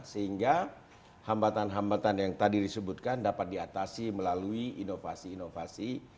sehingga hambatan hambatan yang tadi disebutkan dapat diatasi melalui inovasi inovasi